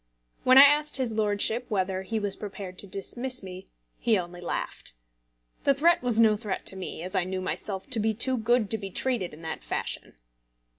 When I asked his lordship whether he was prepared to dismiss me, he only laughed. The threat was no threat to me, as I knew myself to be too good to be treated in that fashion.